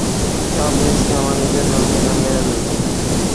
সব জিনিষকে আমরা নিজের রঙে রাঙাইয়া লই।